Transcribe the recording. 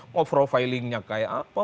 mau profilingnya kayak apa